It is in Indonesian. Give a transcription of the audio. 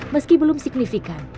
meski belum signifikan